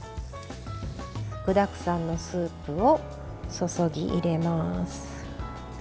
具だくさんのスープを注ぎ入れます。